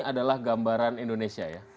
adalah gambaran indonesia ya